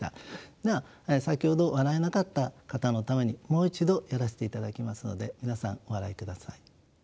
では先ほど笑えなかった方のためにもう一度やらせていただきますので皆さんお笑いください。